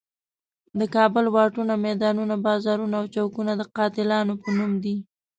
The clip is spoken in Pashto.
د کابل واټونه، میدانونه، بازارونه او چوکونه د قاتلانو په نوم دي.